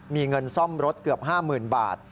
มีเงินซ่อมรถเกือบ๕๐๐๐บาท